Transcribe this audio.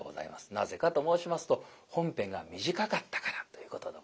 なぜかと申しますと本編が短かったからということでございます。